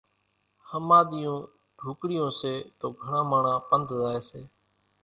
ۿماۮِيئيون ڍوڪڙيون سي تو گھڻان ماڻۿان پنڌ زائي سي